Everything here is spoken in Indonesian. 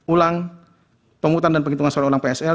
ulang penghutang dan penghitungan suara ulang psl